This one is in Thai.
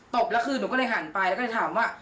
บแล้วคือหนูก็เลยหันไปแล้วก็เลยถามว่า